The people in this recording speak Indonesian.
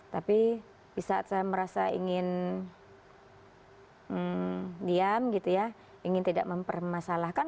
di saat saya merasa ingin diam ingin tidak mempermasalahkan